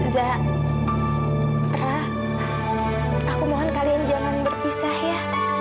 za ra aku mohon kalian jangan berpisah ya